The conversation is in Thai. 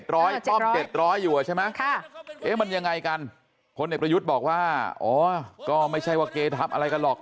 ร้อยอยู่อ่ะใช่ไหมมันยังไงกันคนเอกประยุทธ์บอกว่าก็ไม่ใช่ว่าเกรทัพอะไรกันหรอก